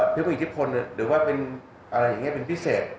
ผู้อิทธิพลหรือว่าเป็นอะไรอย่างนี้เป็นพิเศษ